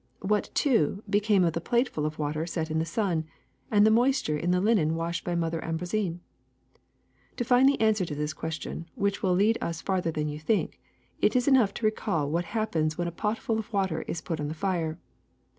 What, too, became of the plateful of water set in the sun, and the moisture in the linen washed by Mother Ambroisine? ^^To find the answer to this question, which will lead us farther than you think, it is enough to recall what happens when a pot full of water is put on the fire.